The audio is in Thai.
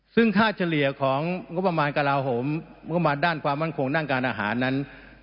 ซึ่งค่าเฉลี่ยของงบประมาณกระลาโหมงบประมาณด้านความมั่นคงด้านการอาหารนั้น